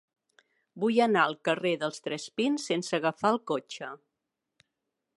Vull anar al carrer dels Tres Pins sense agafar el cotxe.